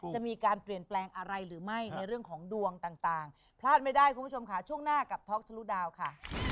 จะมีการเปลี่ยนแปลงอะไรหรือไม่ในเรื่องของดวงต่างพลาดไม่ได้คุณผู้ชมค่ะช่วงหน้ากับท็อกทะลุดาวค่ะ